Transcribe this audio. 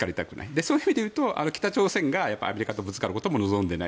そういう意味でいうと北朝鮮がアメリカとぶつかることも望んでいない。